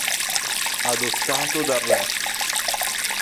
Adottato dal Re!